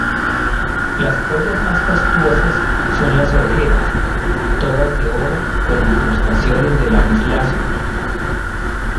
Las joyas más fastuosas son las orejeras, todas de oro con incrustaciones de lapislázuli.